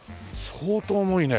相当重いね。